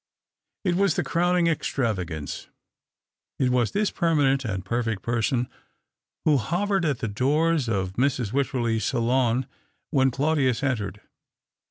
It was the crowning extravagance. It was this permanent and perfect person who hovered at the doors of Mrs. Wycherley's salon when Claudius entered.